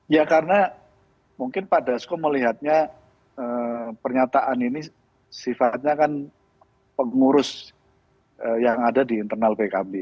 ya karena mungkin pak dasko melihatnya pernyataan ini sifatnya kan pengurus yang ada di internal pkb